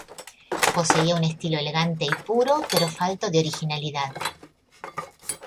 Poseía un estilo elegante y puro pero falto de originalidad.